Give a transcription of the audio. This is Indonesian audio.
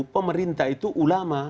pemerintah itu ulama